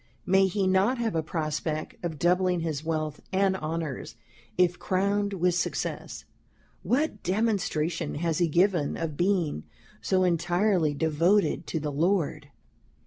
May he not have a prospect of doubling his Wealth and Honours, if crowned with Success? What Demonstration has he given of being so entirely devoted to the Lord?